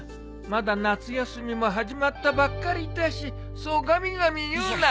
まだ夏休みも始まったばっかりだしそうがみがみ言うな。